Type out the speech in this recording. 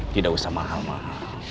tidak usah mahal mahal